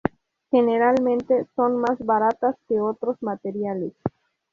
Generalmente son más baratas que otros materiales.